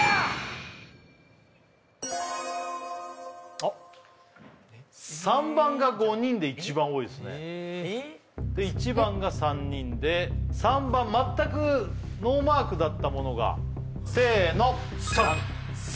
あっ３番が５人で一番多いですねで１番が３人で３番全くノーマークだったものがせーの３！